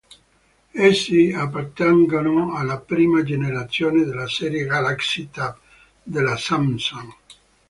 Essi appartengono alla prima generazione della serie Galaxy Tab della Samsung.